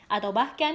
atau bahkan pindah ktp